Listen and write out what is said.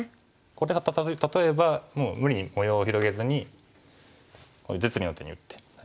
これが例えばもう無理に模様を広げずにこういう実利の手に打って。